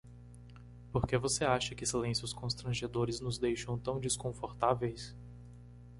Por que você acha que silêncios constrangedores nos deixam tão desconfortáveis?